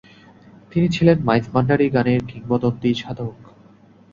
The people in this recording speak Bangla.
তিনি ছিলেন মাইজভান্ডারী গানের কিংবদন্তি সাধক।